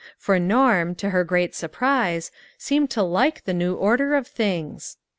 For Norm, to her great surprise, seemed to like the new order of things.